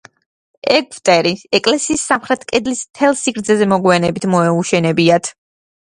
ეგვტერი ეკლესიის სამხრეთ კედლის მთელ სიგრძეზე მოგვიანებით მიუშენებიათ.